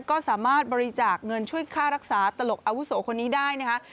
ก็สามารถบริจาคเงินช่วยค่ารักษาตลกอาวุโสคนนี้ได้นะคะ